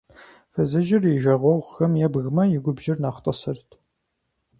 Фызыжьыр и жагъуэгъухэм ебгмэ, и губжьыр нэхъ тӀысырт.